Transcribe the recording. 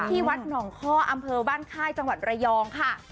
ที่วัดหนองคออำเภอบ้านค่ายจังหวัดระยองค่ะ